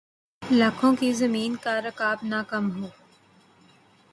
لکوں کی زمین کا رقبہ نہ کم ہو